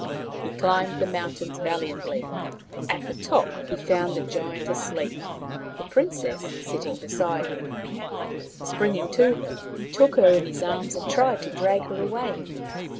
He climbed the mountains valiantly. At the top he found the giant asleep, the princess sitting beside him. Springing to her, he took her in his arms and tried to drag her away.